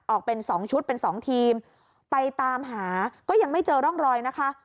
ออกเป็น๒ชุดเป็นสองทีมไปตามหาก็ยังไม่เจอร่องรอยนะคะ